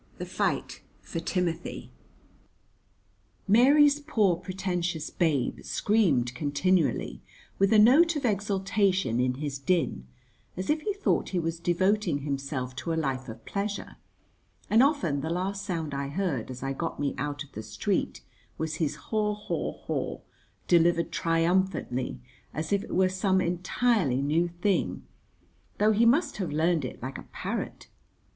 V. The Fight For Timothy Mary's poor pretentious babe screamed continually, with a note of exultation in his din, as if he thought he was devoting himself to a life of pleasure, and often the last sound I heard as I got me out of the street was his haw haw haw, delivered triumphantly as if it were some entirely new thing, though he must have learned it like a parrot.